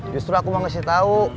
justru aku mau ngasih tau